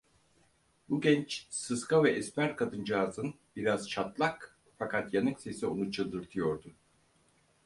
Bu genç, sıska ve esmer kadıncağızın biraz çatlak fakat yanık sesi onu çıldırtıyordu.